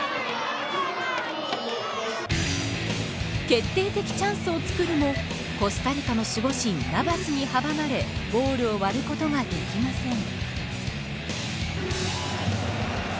決定的チャンスを作るもコスタリカの守護神ナヴァスに阻まれゴールを割ることができません。